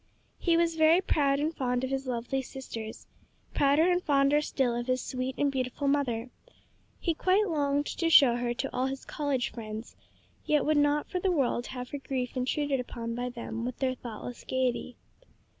He was very proud and fond of his lovely sisters; prouder and fonder still of his sweet and beautiful mother. He quite longed to show her to all his college friends, yet would not for the world have her grief intruded upon by them with their thoughtless gayety.